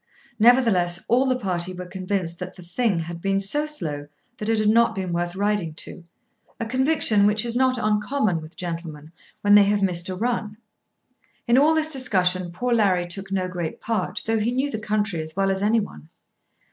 Nevertheless all the party were convinced that the "thing" had been so slow that it had not been worth riding to; a conviction which is not uncommon with gentlemen when they have missed a run. In all this discussion poor Larry took no great part though he knew the country as well as any one.